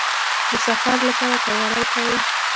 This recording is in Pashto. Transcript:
د سفر لپاره تیاری کوئ؟